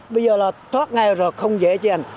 bây giờ là thoát ngay rồi không dễ chứ anh